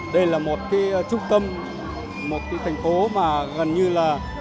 đây là một cái trung tâm một cái thành phố mà gần như là